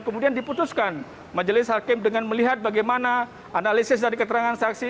kemudian diputuskan majelis hakim dengan melihat bagaimana analisis dari keterangan saksi